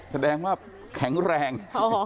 แสดงว่าแข็งแรง